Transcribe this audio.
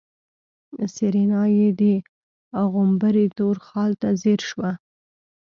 سېرېنا يې د غومبري تور خال ته ځير شوه.